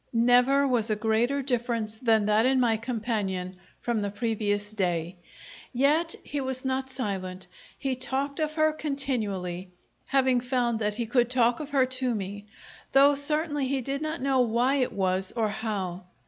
Never was a greater difference than that in my companion from the previous day. Yet he was not silent. He talked of her continually, having found that he could talk of her to me though certainly he did not know why it was or how.